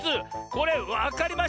これわかりましたよ。